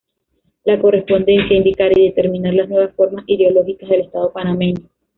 Le corresponde indicar y determinar las nuevas formas ideológicas del Estado panameño.